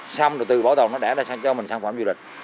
xong rồi từ bảo tồn nó đã cho mình sản phẩm du lịch